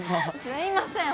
すいません